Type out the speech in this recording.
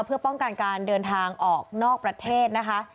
เพื่อป้องกันการเดินทางออกนอกประเทศนะคะ